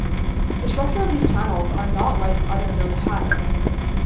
The structure of these channels are not like other known channels.